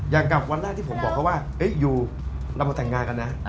อยากกลับวันแรกที่ผมบอกเขาว่าอยู่เรามาแต่งงานกันนะ